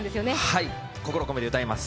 はい、心を込めて歌います。